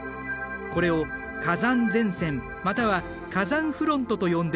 これを火山前線または火山フロントと呼んでいる。